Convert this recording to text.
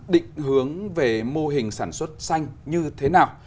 định hướng về mô hình sản xuất xanh như thế nào